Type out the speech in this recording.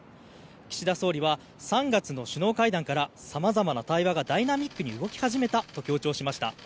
岸田総理は３月の首脳会談から様々な対話がダイナミックに動き始めたと強調しました。